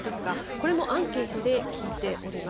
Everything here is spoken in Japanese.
これもアンケートで聞いております。